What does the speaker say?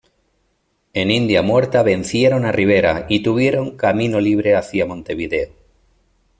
En India Muerta vencieron a Rivera y tuvieron camino libre hacia Montevideo.